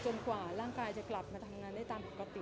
กว่าร่างกายจะกลับมาทำงานได้ตามปกติ